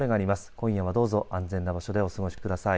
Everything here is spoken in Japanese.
今夜はどうぞ安全な場所でお過ごしください。